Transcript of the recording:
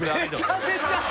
めちゃめちゃ！